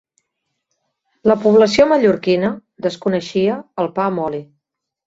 La població mallorquina desconeixia el pa amb oli